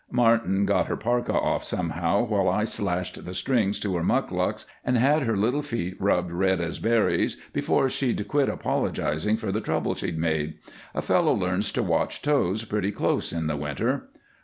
Martin got her parka off somehow while I slashed the strings to her mukluks and had her little feet rubbed red as berries before she'd quit apologizing for the trouble she'd made. A fellow learns to watch toes pretty close in the winter.